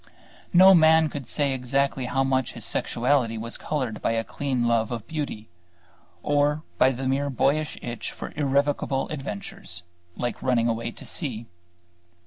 No man could say exactly how much his sexuality was colored by a clean love of beauty, or by the mere boyish itch for irrevocable adventures, like running away to sea.